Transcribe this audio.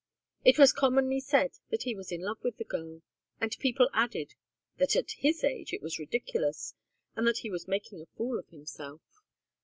It was commonly said that he was in love with the girl, and people added that at his age it was ridiculous, and that he was making a fool of himself.